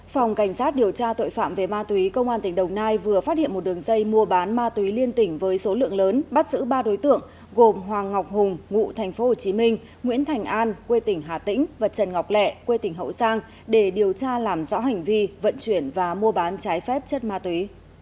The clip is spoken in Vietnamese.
phòng cảnh sát điều tra tội phạm về ma túy công an tỉnh đồng nai vừa phát hiện một đường dây mua bán ma túy liên tỉnh với số lượng lớn bắt giữ ba đối tượng gồm hoàng ngọc hùng ngụ tp hcm nguyễn thành an quê tỉnh hà tĩnh và trần ngọc lẹ quê tỉnh hậu giang để điều tra làm rõ hành vi vận chuyển và mua bán trái phép chất ma túy